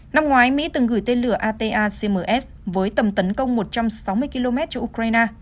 năm ngoái mỹ từng gửi tên lửa ata cms với tầm tấn công một trăm sáu mươi km cho ukraine